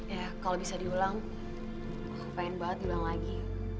ya kalau bisa diulang pengen banget diulang lagi